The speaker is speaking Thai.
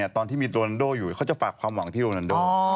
ตอนที่มีโรนโดอยู่เขาจะฝากความหวังที่โรนันโด